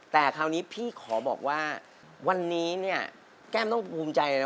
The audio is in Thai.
แต่คราวนี้พี่ขอบอกว่าวันนี้เนี่ยแก้มต้องภูมิใจนะ